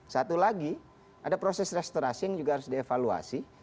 satu lagi ada proses restorasi yang juga harus dievaluasi